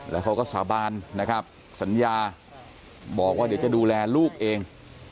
แล้วเขาก็สาบานนะครับสัญญาบอกว่าเดี๋ยวจะดูแลลูกเอง